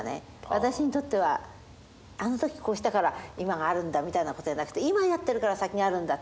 私にとってはあの時こうしたから今があるんだみたいなことじゃなくて今やってるから先があるんだ。